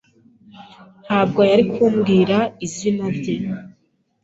Ntabwo yari kumbwira izina rye.